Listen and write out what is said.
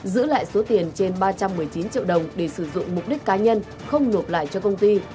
giữ lại số tiền trên ba trăm một mươi chín triệu đồng để sử dụng mục đích cá nhân không nộp lại cho công ty